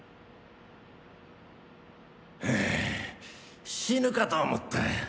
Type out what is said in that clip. はぁ死ぬかと思った。